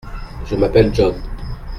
Je m’appelle John.